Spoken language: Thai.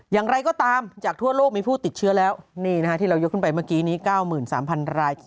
อย่างไรก็ตามจากทั่วโลกมีผู้ติดเชื้อแล้วนี่นะฮะที่เรายกขึ้นไปเมื่อกี้นี้๙๓๐๐ราย